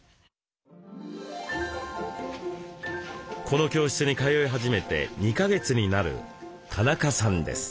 この教室に通い始めて２か月になる田中さんです。